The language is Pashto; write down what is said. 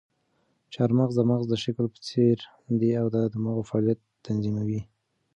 چهارمغز د مغز د شکل په څېر دي او د دماغو فعالیتونه تنظیموي.